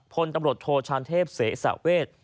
พลตำรวจโทชานเทพเสสะเวท